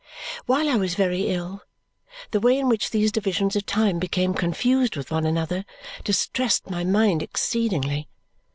While I was very ill, the way in which these divisions of time became confused with one another distressed my mind exceedingly.